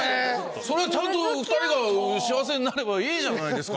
それはちゃんと２人が幸せになればいいじゃないですか。